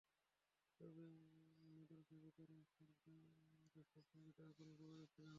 তবে মদন দাবি করেন, সারদা গোষ্ঠীর সঙ্গে তাঁর কোনো যোগাযোগ ছিল না।